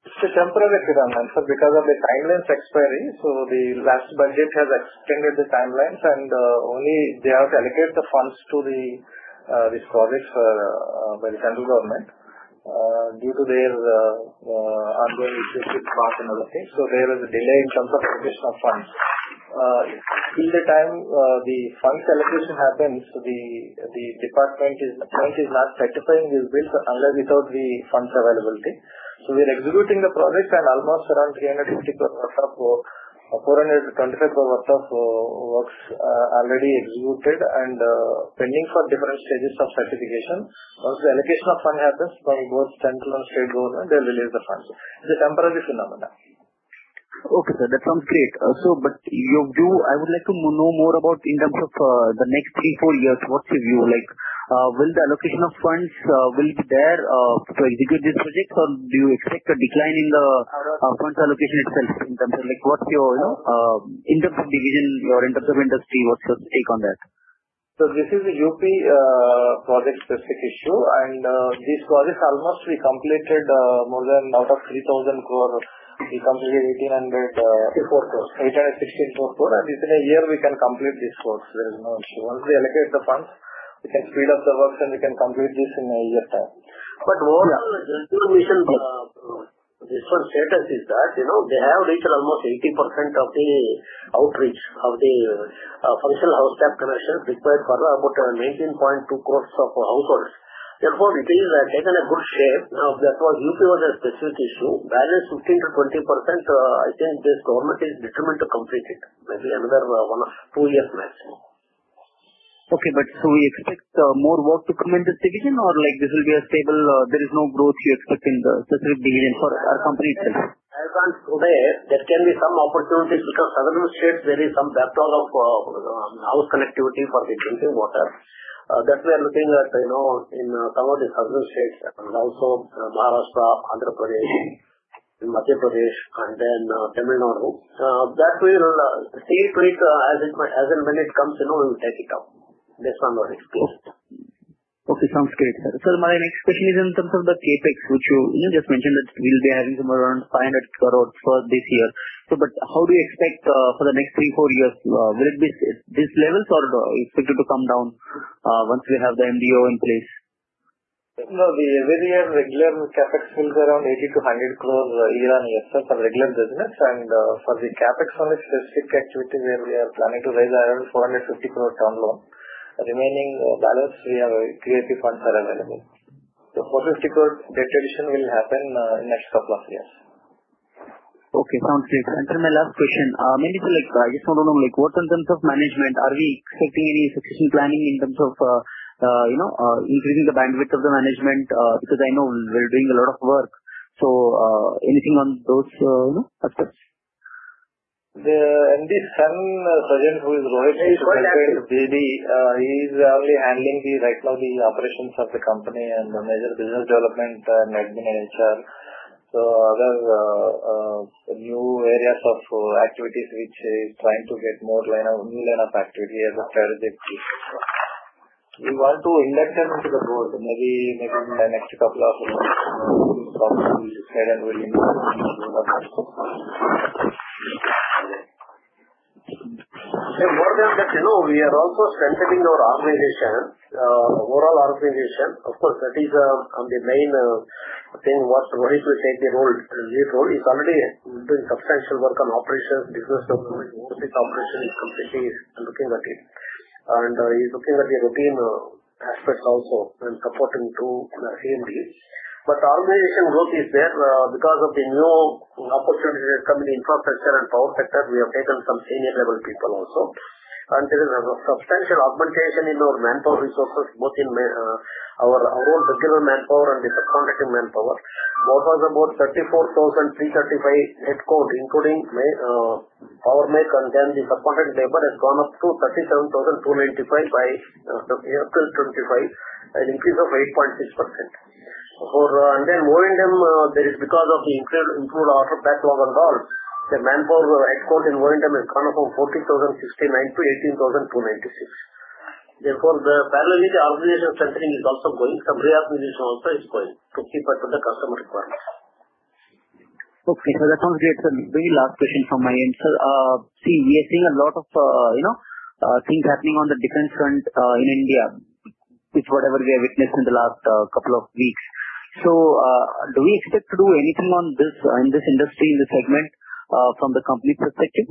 It's a temporary phenomenon, sir, because of the timelines expiry. So the last budget has extended the timelines, and only they have allocated the funds to these projects by the central government due to their ongoing issues with cost and other things. So there is a delay in terms of allocation of funds. In the time the funds allocation happens, the department is not certifying these bills unless without the funds availability. So we are executing the projects, and almost around 350 crore worth of 425 crore worth of works are already executed and pending for different stages of certification. Once the allocation of funds happens from both central and state government, they'll release the funds. It's a temporary phenomenon. Okay, sir. That sounds great. But I would like to know more about, in terms of the next three, four years, what's your view? Will the allocation of funds be there to execute this project, or do you expect a decline in the funds allocation itself in terms of what's your in terms of division or in terms of industry, what's your take on that? This is a UP project-specific issue, and these projects almost we completed more than out of 3,000 crore, we completed 1,800. 164 crores. 1,800. 164 crore. And within a year, we can complete these works. There is no issue. Once they allocate the funds, we can speed up the works, and we can complete this in a year's time. But more this one's status is that they have reached almost 80% of the outreach of the functional household tap connections required for about 19.2 crores of households. Therefore, it has taken a good shape. That was UP was a specific issue. Balance 15% to 20%, I think this government is determined to complete it. Maybe another two years maximum. Okay, but so we expect more work to come in this division, or this will be a stable, there is no growth you expect in the specific division for our company itself? As of today, there can be some opportunities because southern states, there is some backlog of house connectivity for the drinking water. That we are looking at in some of the southern states, and also Maharashtra, Andhra Pradesh, Madhya Pradesh, and then Tamil Nadu. That we will see to it as and when it comes, we will take it up. That's one of our expectations. Okay. Sounds great, sir. Sir, my next question is in terms of the CapEx, which you just mentioned that we'll be having somewhere around 500 crores for this year. But how do you expect for the next three, four years? Will it be this level, or expect it to come down once we have the MDO in place? No. The way we have regular QIP will be around 80 to 100 crore year-on-year, sir, for regular business. And for the QIP-only specific activity where we are planning to raise around 450 crore down the line. Remaining balance, we have QIP funds that are available. So 450 crore utilization will happen in the next couple of years. Okay. Sounds great. And sir, my last question. Maybe I just want to know what in terms of management, are we expecting any succession planning in terms of increasing the bandwidth of the management? Because I know we're doing a lot of work. So anything on those aspects? The MD Sajja Kishore Babu, who is rotating to BD, he is only handling right now the operations of the company and the major business development and admin and HR. So other new areas of activities which he is trying to get more new line of activity as a strategic piece. We want to induct them into the board. Maybe. Next couple of weeks, we will properly decide and we'll implement. More than that, we are also strengthening our organization, overall organization. Of course, that is the main thing what we need to take the lead role. He's already doing substantial work on operations, business development. He's completely looking at it. And he's looking at the routine aspects also and supporting to CMD. But the organization growth is there because of the new opportunities that come in the infrastructure and power sector. We have taken some senior-level people also. There is a substantial augmentation in our manpower resources, both in our own regular manpower and the subcontracting manpower. What was about 34,335 headcount, including Power Mech, and then the subcontracting labor has gone up to 37,295 by April 25, an increase of 8.6%. Then O&M, because of the improved order backlog and all, the manpower headcount in O&M has gone up from 40,069 to 18,296. Therefore, parallelly, the organization strengthening is also going. Some reorganization also is going to keep up with the customer requirements. Okay. So that sounds great. Sir, maybe last question from my end. Sir, see, we are seeing a lot of things happening on the defense front in India, which whatever we have witnessed in the last couple of weeks. So do we expect to do anything in this industry, in this segment, from the company perspective?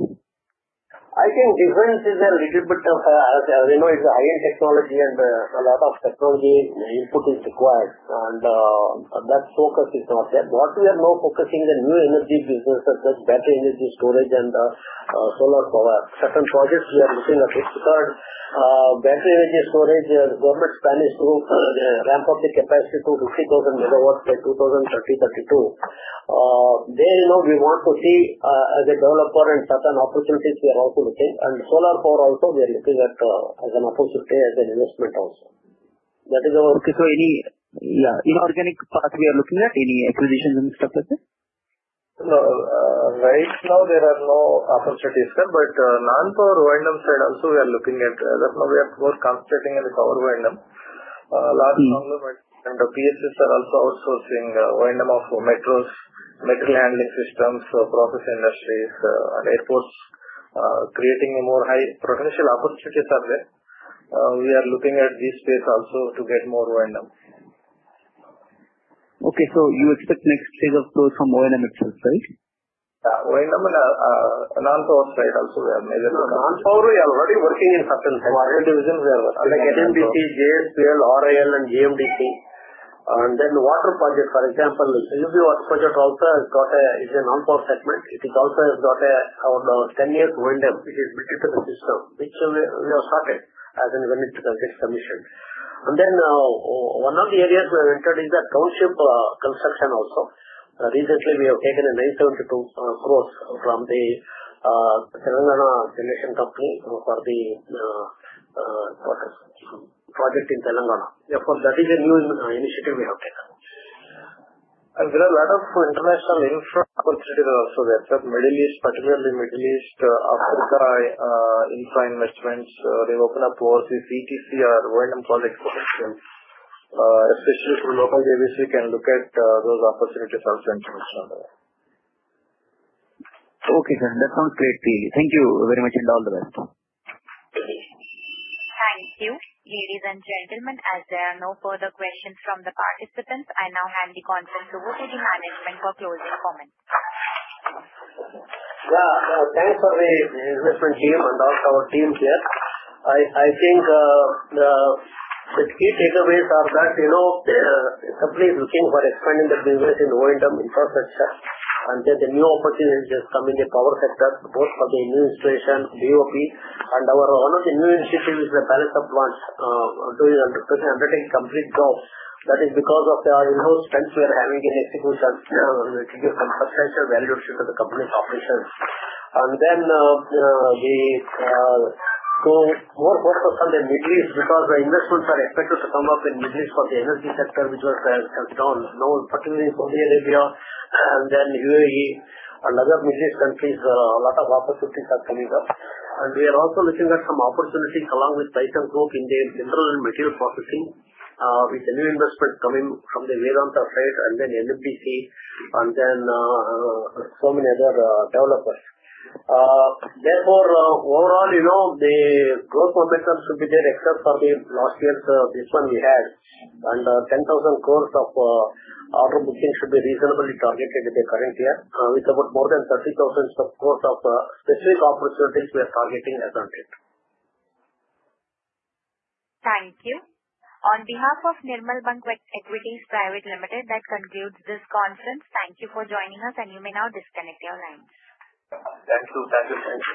I think defense is a little bit of as you know, it's a high-end technology, and a lot of technology input is required. And that focus is not there. What we are now focusing on is the new energy businesses, such as battery energy storage and solar power. Certain projects we are looking at it. Third, battery energy storage, the government plan is to ramp up the capacity to 50,000 MW by 2030 to 2032. There we want to see as a developer and certain opportunities we are also looking. And solar power also, we are looking at as an opportunity, as an investment also. That is our. Okay. So any organic part we are looking at? Any acquisitions and stuff like that? No. Right now, there are no opportunities, sir. But non-power O&M side also, we are looking at. Right now, we are more concentrating in the power O&M. Lately, PSCs are also outsourcing O&M of metros, material handling systems, process industries, and airports, creating more high-potential opportunities out there. We are looking at this space also to get more O&M. Okay, so you expect next phase of growth from O&M itself, right? Yeah. O&M and non-power side also, we are majorly. Non-power, we are already working in certain divisions. Water division, we are working. Like NMDC, JSPL, RIL, and GMDC. And then `water project, for example, UP water project also has got a non-power segment. It also has got our 10-year O&M, which is built into the system, which we have started as and when it gets commissioned. And then one of the areas we have entered is that township construction also. Recently, we have taken 972 crore from the TSGENCO for the project in Telangana. Therefore, that is a new initiative we have taken. There are a lot of international infra opportunities also there, sir. Middle East, particularly Middle East, Africa infra investments. They've opened up overseas ETC or O&M projects potentially. Especially through local JVC, we can look at those opportunities also in terms of. Okay, sir. That sounds great. Thank you very much and all the best. Thank you. Ladies and gentlemen, as there are no further questions from the participants, I now hand the conference over to the management for closing comments. Yeah. Thanks for the investment team and also our team here. I think the key takeaways are that the company is looking for expanding the business in O&M infrastructure until the new opportunities come in the power sector, both for the administration, BoP, and our one of the new initiatives is the balance of plants doing undertaking complete jobs. That is because of the in-house spends we are having in execution to give some substantial value to the company's operations. And then we go more focused on the Middle East because the investments are expected to come up in Middle East for the energy sector, which was done now, particularly Saudi Arabia, and then UAE, and other Middle East countries. A lot of opportunities are coming up. And we are also looking at some opportunities along with Maithan Group in the mineral and material processing, with the new investment coming from the Vedanta side and then NMDC and then so many other developers. Therefore, overall, the growth momentum should be there except for the last year's this one we had. And 10,000 crores of order booking should be reasonably targeted in the current year, with about more than 30,000 crores of specific opportunities we are targeting as of late. Thank you. On behalf of Nirmal Bang Equities Private Limited, that concludes this conference. Thank you for joining us, and you may now disconnect your lines. Thank you. Thank you.